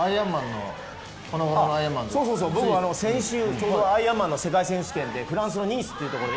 僕、先週ちょうどアイアンマンの世界選手権でフランスのニースというところに。